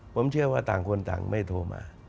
ผมเชื่อว่าต่างคนต่างไม่โทรมา